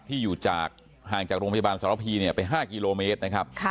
ที่อยู่จากห่างจากโรงพยาบาลสรพีไป๕กิโลเมตรนะครับ